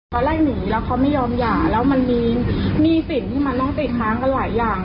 เขาไล่หนีแล้วเขาไม่ยอมหย่าแล้วมันมีหนี้สินที่มันต้องติดค้างกันหลายอย่าง